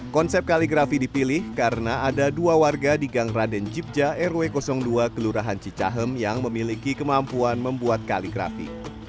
konsep kaligrafi dipilih karena ada dua warga di gang raden jibja rw dua kelurahan cicahem yang memiliki kemampuan membuat kaligrafi